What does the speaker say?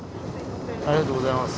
ありがとうございます。